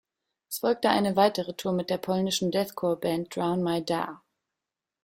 Es folgte eine weitere Tour mit der polnischen Deathcore Band "Drown My Da".